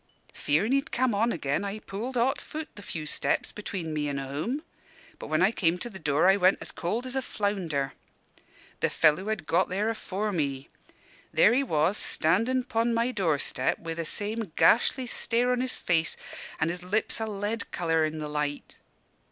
Fearin' he'd come on again, I pulled hot foot the few steps between me an' home. But when I came to the door, I went cold as a flounder. "The fellow had got there afore me. There he was, standin' 'pon my door step wi' the same gashly stare on his face, and his lips a lead colour in the light.